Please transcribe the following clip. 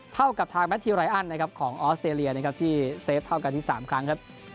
เท่ากับทางแมททิวรายอันนะครับของออสเตรเลียนะครับที่เซฟเท่ากันที่๓ครั้งครับ